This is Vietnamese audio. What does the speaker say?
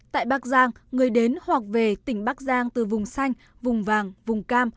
tại bắc giang người đến hoặc về tỉnh bắc giang từ vùng xanh vùng vàng vùng cam